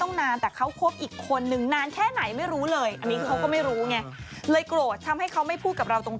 แต่นี่เขาบอกอย่างนี้ในไอจีเดือดมากนะคะ